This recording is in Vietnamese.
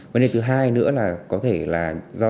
vấn đề thứ hai nữa là có thể là do những cái video